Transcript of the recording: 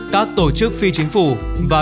các tổ chức phi chính phủ và